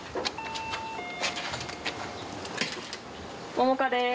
桃佳です。